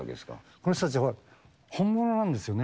この人たち、ほら、本物なんですよね。